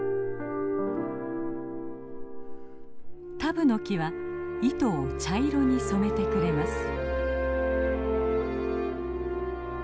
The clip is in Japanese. タブノキは糸を茶色に染めてくれます。